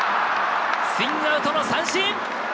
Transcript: スイングアウトの三振。